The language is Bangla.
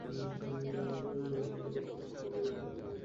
ওলীদ নামে খালিদের আরেক ভাই হয় যুদ্ধবন্দি।